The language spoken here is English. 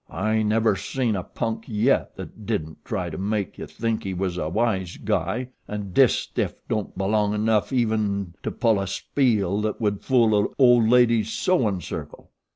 "I never seen a punk yet that didn't try to make you think he was a wise guy an' dis stiff don't belong enough even to pull a spiel that would fool a old ladies' sewin' circle.